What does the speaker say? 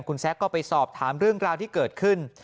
คุณแซคก็ไปสอบถามเรื่องราวที่เกิดขึ้น